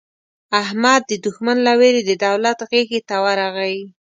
احمد د دوښمن له وېرې د دولت غېږې ته ورغی.